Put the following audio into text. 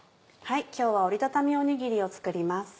今日は折りたたみおにぎりを作ります。